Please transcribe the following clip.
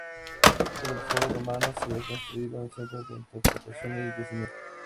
Cerca del foro romano se ha construido un centro de interpretación del yacimiento.